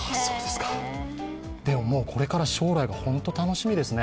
でももうこれから将来が本当に楽しみですね